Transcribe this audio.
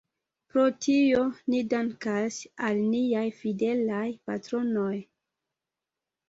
Pro tio ni dankas al niaj fidelaj patronoj.